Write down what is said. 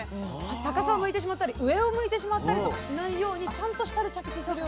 逆さを向いてしまったり上を向いてしまったりとかしないようにちゃんと下で着地するようにと。